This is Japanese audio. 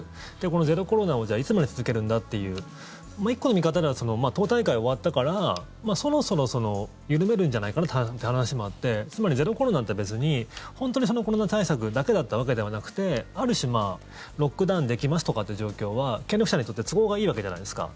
このゼロコロナをいつまで続けるんだという１個の見方では党大会が終わったからそろそろ緩めるんじゃないかという話もあってつまりゼロコロナって別に本当にコロナ対策だけだったわけではなくてある種、ロックダウンできますという状況は権力者にとって都合がいいわけじゃないですか。